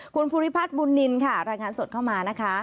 คุณภูริพัฒน์บุญนินค่ะรายงานสดเข้ามานะคะ